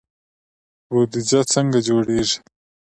بودجه څنګه جوړیږي؟